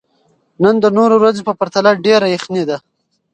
نن د نورو ورځو په پرتله ډېره یخني ده.